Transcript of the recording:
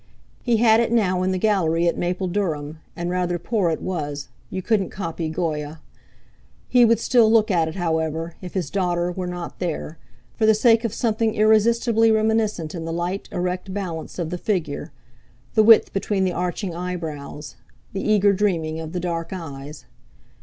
He had it now in the Gallery at Mapledurham, and rather poor it was—you couldn't copy Goya. He would still look at it, however, if his daughter were not there, for the sake of something irresistibly reminiscent in the light, erect balance of the figure, the width between the arching eyebrows, the eager dreaming of the dark eyes.